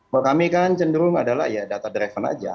buat kami kan cenderung adalah ya data driven aja